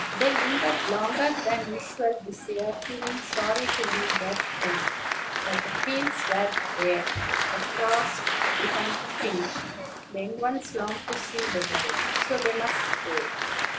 They lingered longer than usual this year, feeling sorry to leave their friend. But the fields were bare, the frosts began to pinch, and the young ones longed to see the world; so they must go.